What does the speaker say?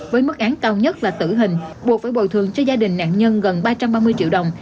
với mức án cao nhất là tử hình buộc phải bồi thường cho gia đình nạn nhân gần ba trăm ba mươi triệu đồng